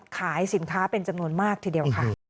ขายสินค้าเป็นจำนวนมากทีเดียวค่ะ